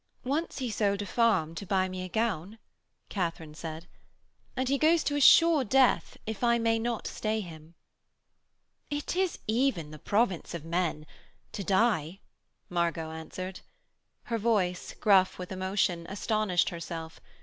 'Once he sold a farm to buy me a gown,' Katharine said, 'and he goes to a sure death if I may not stay him.' 'It is even the province of men to die,' Margot answered. Her voice, gruff with emotion, astonished herself.